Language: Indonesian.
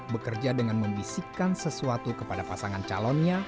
bekerja dengan membisikkan sesuatu kepada pasangan calonnya